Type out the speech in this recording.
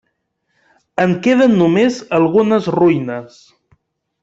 En queden només algunes ruïnes.